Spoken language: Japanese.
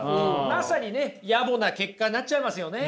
まさにね野暮な結果になっちゃいますよね。